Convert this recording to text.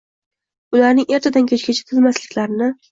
Ularning ertadan-kechgacha tinmasliklarini